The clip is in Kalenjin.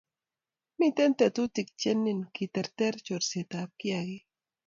mito tetutik che niin keterter chorsetab kiagiik